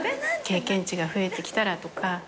経験値が増えてきたらとか「